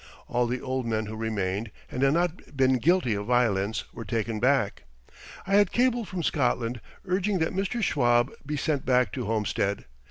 All the old men who remained, and had not been guilty of violence, were taken back. I had cabled from Scotland urging that Mr. Schwab be sent back to Homestead.